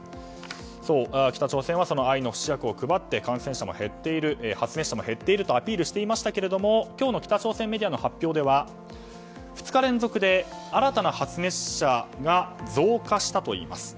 北朝鮮は愛の不死薬を配って発熱者も減っているとアピールしていましたけれども今日の北朝鮮メディアの発表では２日連続で新たな発熱者が増加したといいます。